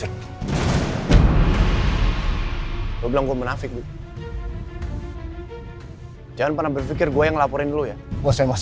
kerjaan yang teguh